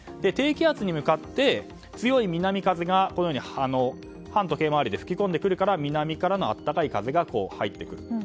低気圧に向かって強い南風が反時計回りで吹き込んでくるから南からの暖かい風が入ってくる。